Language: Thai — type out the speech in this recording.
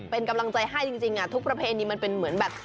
เป็นกำลังใจให้จริงทุกประเพณีมันเป็นเหมือนแบบ